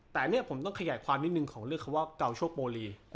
แต่เนี่ยผมต้องขยายความนิดนึงของเรื่องคำว่าเกาโชคโปรลี